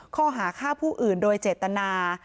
ข้อหาฆ่าผู้อื่นโดยเจตนา